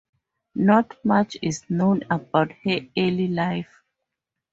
Not much is known about her early life.